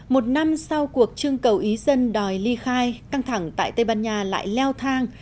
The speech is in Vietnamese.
một năm sau cuộc trưng cầu ý dân đòi ly khai căng thẳng tại tây ban nha lại leo thang